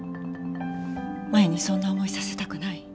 マヤにそんな思いさせたくない。